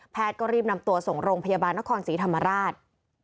ก็รีบนำตัวส่งโรงพยาบาลนครศรีธรรมราช